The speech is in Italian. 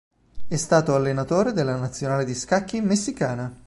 È stato allenatore della nazionale di scacchi messicana.